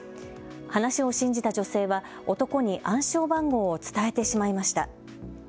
話を信じた女性は、男に暗証番号を伝えてしまいました。